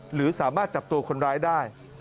หรือสามารถจับตัวคนร้ายได้